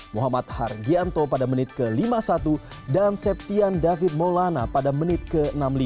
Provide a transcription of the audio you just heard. muhammad hargianto pada menit ke lima puluh satu dan septian david maulana pada menit ke enam puluh lima